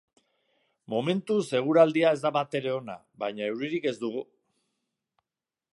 Momentuz eguraldia ez da batere ona baina euririk ez dugu.